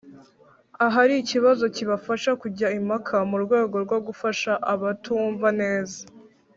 ahari ikibazo kibafasha kujya impaka. Mu rwego rwo gufasha abatumva neza